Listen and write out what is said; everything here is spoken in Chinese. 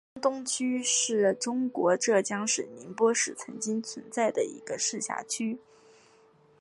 江东区是中国浙江省宁波市曾经存在的一个市辖区。